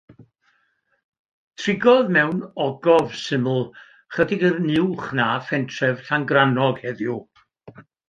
Trigodd mewn ogof syml ychydig yn uwch na phentref Llangrannog heddiw.